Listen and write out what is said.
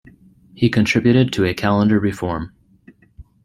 He contributed to a calendar reform.